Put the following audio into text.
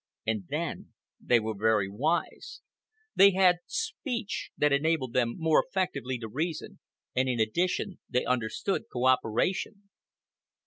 And then they were very wise. They had speech that enabled them more effectively to reason, and in addition they understood cooperation.